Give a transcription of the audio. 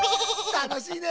たのしいね。